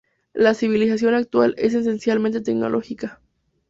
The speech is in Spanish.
La civilización actual es esencialmente tecnológica.